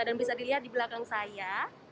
dan bisa dilihat di belakang saya